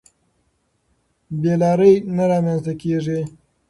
بې لارۍ نه رامنځته کېږي.